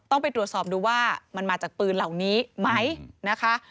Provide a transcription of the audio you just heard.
ต้องไปตรวจสอบดูว่ามันมาจากปืนเหล่านี้ไหมนะคะ